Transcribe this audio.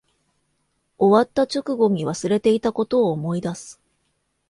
終わった直後に忘れていたことを思い出す